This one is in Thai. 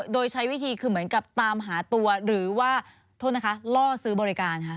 โดยใช้วิธีคือเหมือนกับตามหาตัวหรือว่าโทษนะคะล่อซื้อบริการค่ะ